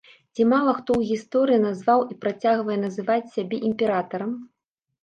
Ці мала хто ў гісторыі назваў і працягвае называць сябе імператарам.